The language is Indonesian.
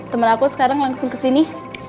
temen aku sekarang langsung kesini